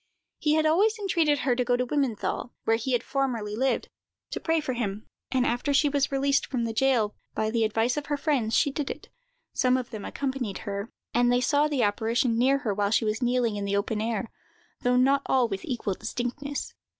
He had always entreated her to go to Wimmenthal, where he had formerly lived, to pray for him; and, after she was released from the jail, by the advice of her friends, she did it. Some of them accompanied her, and they saw the apparition near her while she was kneeling in the open air, though not all with equal distinctness.